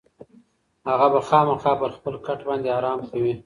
هغه به خامخا پر خپل کټ باندې ارام کوي.